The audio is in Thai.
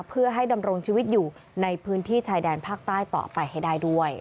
เพื่อให้ดำรงชีวิตอยู่ในพื้นที่ชายแดนภาคใต้ต่อไปให้ได้ด้วย